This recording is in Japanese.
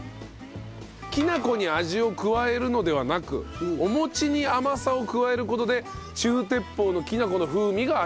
きなこに味を加えるのではなくお餅に甘さを加える事で中鉄砲のきなこの風味が味わえるという。